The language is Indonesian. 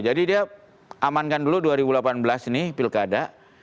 jadi dia amankan dulu dua ribu delapan belas nih pilkada